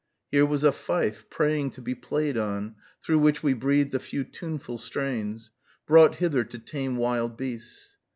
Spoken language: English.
Here was a fife, praying to be played on, through which we breathed a few tuneful strains, brought hither to tame wild beasts.